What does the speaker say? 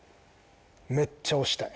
めっちゃ押したい。